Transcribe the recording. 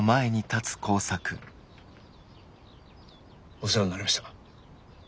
お世話になりました。